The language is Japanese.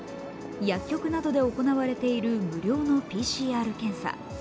薬局などで行われている無料のＰＣＲ検査。